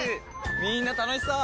みんな楽しそう！